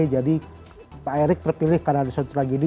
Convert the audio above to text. jadi pak erick terpilih karena ada suatu tragedi